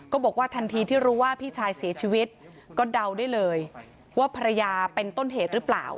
บอกว่าทันทีที่รู้ว่าพี่ชายเสียชีวิตก็เดาได้เลยว่าภรรยาเป็นต้นเหตุหรือเปล่า